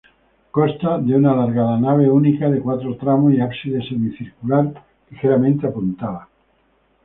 Consta de una alargada nave única de cuatro tramos y ábside semicircular, ligeramente apuntado.